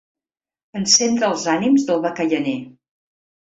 Encendre els ànims del bacallaner.